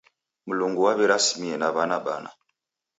Mlungu waw'irasimie na w'ana bana.